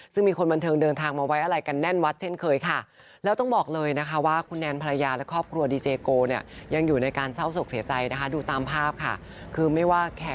ซึ่งมีคนบันเทิงเดินทางมาไว้อะไรกันแน่นวัดเช่นเคยค่ะ